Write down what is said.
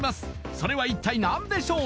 それは一体何でしょう？